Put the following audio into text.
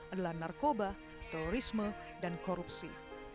adalah narkoba terorisme dan korupsi